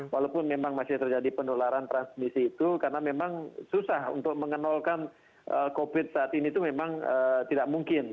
walaupun memang masih terjadi penularan transmisi itu karena memang susah untuk mengenalkan covid saat ini itu memang tidak mungkin